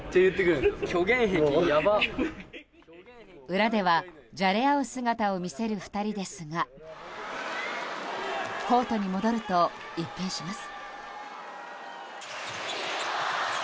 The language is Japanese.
裏では、じゃれ合う姿を見せる２人ですがコートに戻ると一変します。